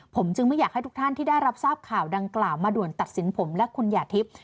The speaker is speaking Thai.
ผมจึงไม่อยากให้ทุกท่านที่ได้รับทราบข่าวดังกล่าวมาด่วนตัดสินผมและคุณหยาดทิพย์